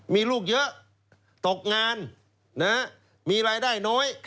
มีลูกเยอะตกงานมีรายได้น้อย